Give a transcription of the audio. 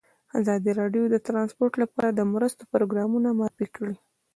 ازادي راډیو د ترانسپورټ لپاره د مرستو پروګرامونه معرفي کړي.